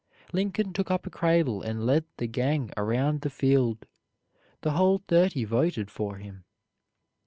Lincoln took up a cradle and led the gang around the field. The whole thirty voted for him.